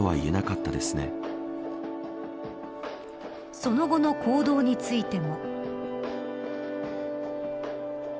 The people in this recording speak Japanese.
その後の行動についても。